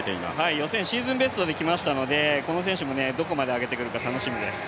予選はシーズンベストできましたのでこの選手もどこまで上げてくるか楽しみです。